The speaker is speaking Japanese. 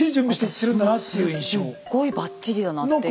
すっごいバッチリだなって今。